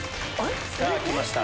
さぁきました！